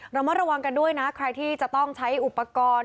ระมัดระวังกันด้วยนะใครที่จะต้องใช้อุปกรณ์